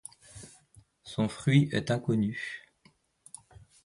Son fruit est inconnu.